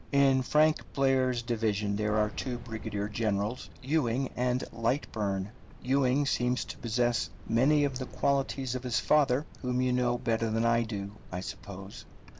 In Frank Blair's division there are two brigadier generals, Ewing and Lightburne. Ewing seems to possess many of the qualities of his father, whom you know better than I do, I suppose.